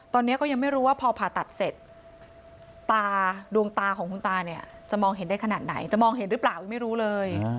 ตอนนี้ก็ยังไม่รู้ว่าพอผ่าตัดเสร็จตาดวงตาของคุณตาเนี่ยจะมองเห็นได้ขนาดไหนจะมองเห็นหรือเปล่ายังไม่รู้เลย